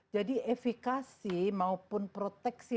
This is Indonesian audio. jadi efikasi maupun proteksi